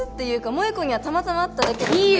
萌子にはたまたま会っただけでいいよ